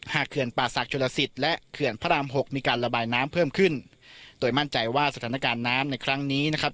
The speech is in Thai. เขื่อนป่าศักดิชลสิทธิ์และเขื่อนพระรามหกมีการระบายน้ำเพิ่มขึ้นโดยมั่นใจว่าสถานการณ์น้ำในครั้งนี้นะครับ